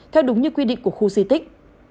theo đúng như quy định của khu di tích